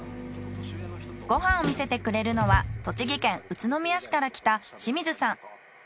ご飯を見せてくれるのは栃木県宇都宮市から来た清水さん。